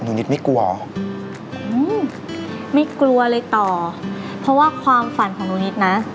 นิดไม่กลัวอืมไม่กลัวเลยต่อเพราะว่าความฝันของหนูนิดนะ